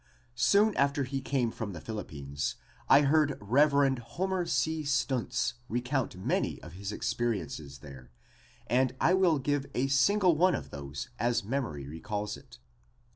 Soon after he came from the Philippines I heard Rev. Homer C. Stuntz recount many of his experiences there and will give a single one of these as memory recalls it.